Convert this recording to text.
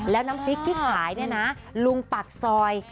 แล้วน้ำพริกที่ขายเนี่ยนะลุงปากซอย